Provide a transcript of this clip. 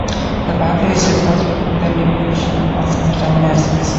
This pathway is responsible for the deamination of most amino acids.